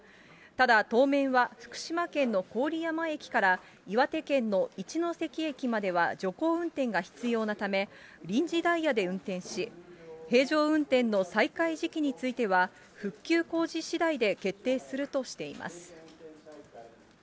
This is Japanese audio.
ただ、当面は、福島県の郡山駅から岩手県の一ノ関駅までは徐行運転が必要なため、臨時ダイヤで運転し、平常運転の再開時期については、復旧工事しだいで決定するとしています。